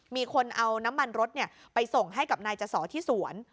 มีคนเอาน้ำมันรถไปส่งให้กับนายจสอที่สวน